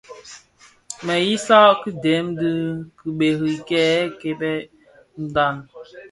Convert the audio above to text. Më isal ki dèm dhi kibëri bè kèkèè ndhaň.